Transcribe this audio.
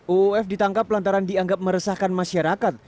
uuf ditangkap lantaran dianggap meresahkan masyarakat